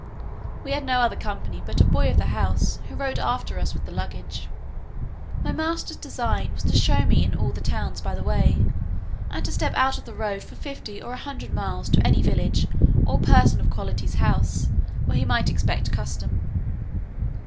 We had no other company but a boy of the house, who rode after us with the luggage. My master's design was to show me in all the towns by the way, and to step out of the road for fifty or a hundred miles, to any village, or person of quality's house, where he might expect custom.